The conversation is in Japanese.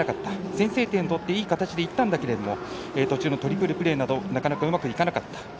先制点をとっていい形でいったんだけど途中のトリプルプレーなどうまくいかなかった。